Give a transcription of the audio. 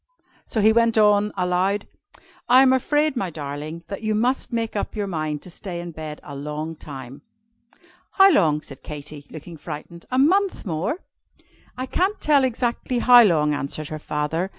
So he went on, aloud, "I am afraid, my darling, that you must make up your mind to stay in bed a long time." "How long?" said Katy, looking frightened: "a month more?" "I can't tell exactly how long," answered her father.